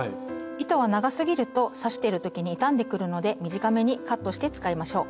糸が長すぎると刺してる時に傷んでくるので短めにカットして使いましょう。